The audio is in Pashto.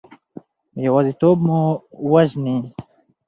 یوازیتوب مو وژني.